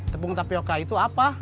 tepung tapioca itu apa